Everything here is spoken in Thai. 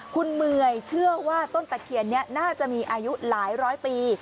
คุณเหมือยเชื่อว่าต้นตะเคียนนี้น่าจะมีอายุหลายร้อยปี